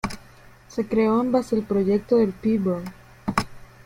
Se creó en base al proyecto del Pbro.